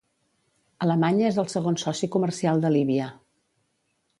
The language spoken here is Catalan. Alemanya és el segon soci comercial de Líbia.